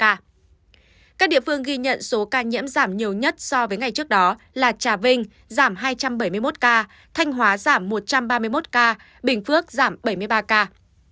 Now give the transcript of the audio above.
các địa phương ghi nhận số ca nhiễm giảm nhiều nhất so với ngày trước đó là trà vinh giảm hai trăm bảy mươi một ca thanh hóa giảm một trăm ba mươi một ca bình phước giảm bảy mươi ba ca